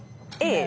ええ。